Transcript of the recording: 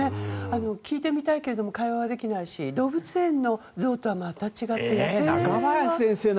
聞いてみたいけれども会話はできないし動物園のゾウとは違って野生の。